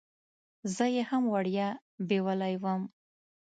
زه یې هم وړیا بیولې وم.